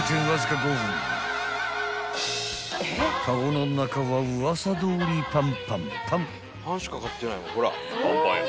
［カゴの中はウワサどおりパンパンパン］